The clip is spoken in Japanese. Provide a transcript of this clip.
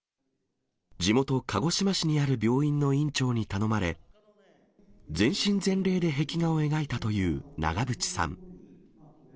地元、鹿児島市にある病院の院長に頼まれ、全身全霊で壁画を描いたという長渕さん。